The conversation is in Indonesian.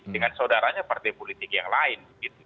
dengan saudaranya partai politik yang lain